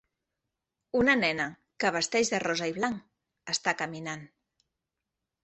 Una nena que vesteix de rosa i blanc està caminant.